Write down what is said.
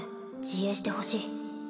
自衛してほしい